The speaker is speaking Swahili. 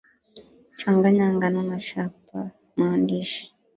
changanya ngano na chapa mandaashi